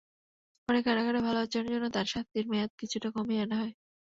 পরে কারাগারে ভালো আচরণের জন্য তাঁর শাস্তির মেয়াদ কিছুটা কমিয়ে আনা হয়।